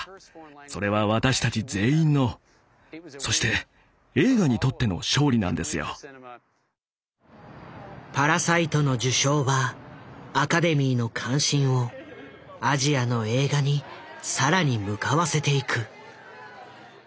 それは私たち全員のそして「パラサイト」の受賞はアカデミーの関心をアジアの映画に更に向かわせていく。